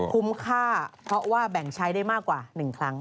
คุ้มค่าเพราะว่าแบ่งใช้ได้มากกว่า๑ครั้ง